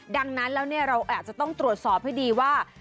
ดังนั้นแล้วเราอาจจะต้องตรวจสอบให้ดีว่า